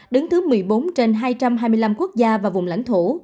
đứng thứ một mươi bốn trên hai trăm hai mươi năm quốc gia và vùng lãnh thổ